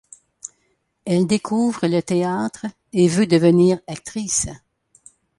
Elle découvre le théâtre et veut devenir actrice.